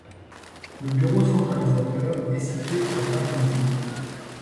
Le bureau centralisateur est situé à Draguignan.